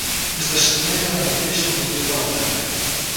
Es desconeix, ara mateix, el motiu de l’atac.